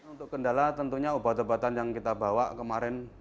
untuk kendala tentunya obat obatan yang kita bawa kemarin